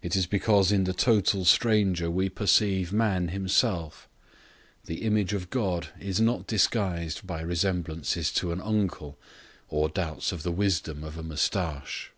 It is because in the total stranger we perceive man himself; the image of God is not disguised by resemblances to an uncle or doubts of the wisdom of a moustache.